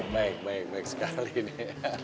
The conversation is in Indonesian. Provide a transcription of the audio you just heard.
baik baik baik sekali nih